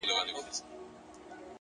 د بنگړو په شرنگهار کي يې ويده کړم;